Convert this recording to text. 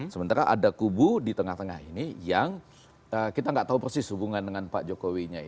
sementara ada kubu di tengah tengah ini yang kita nggak tahu persis hubungan dengan pak jokowi